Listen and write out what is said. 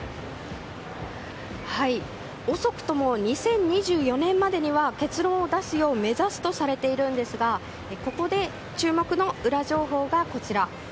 遅くとも２０２４年までには結論を出すよう目指すとされているんですがここで注目のウラ情報がこちら。